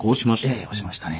ええ押しましたね。